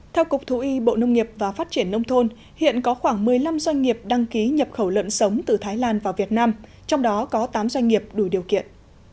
theo cục thú y bộ nông nghiệp và phát triển nông thôn hiện có khoảng một mươi năm doanh nghiệp đăng ký nhập khẩu lợn sống từ thái lan vào việt nam trong đó có tám doanh nghiệp đủ điều kiện